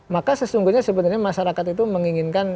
maka sesungguhnya sebenarnya masyarakat itu menginginkan